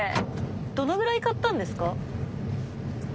どのぐらい買ったんですか？